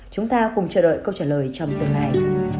chúng ta cùng chờ đợi câu trả lời trong tuần này